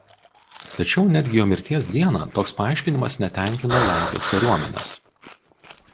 Tačiau netgi jo mirties dieną toks paaiškinimas netenkino Lenkijos kariuomenės.